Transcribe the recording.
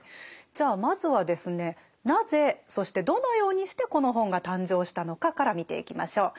じゃあまずはですねなぜそしてどのようにしてこの本が誕生したのかから見ていきましょう。